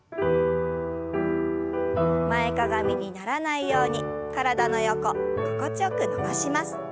前かがみにならないように体の横心地よく伸ばします。